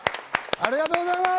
ありがとうございます。